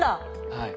はい。